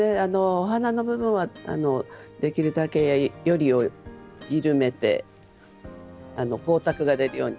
お花の部分はできるだけ撚りを緩めて光沢が出るように。